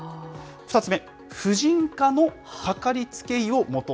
２つ目、婦人科のかかりつけ医を持とう。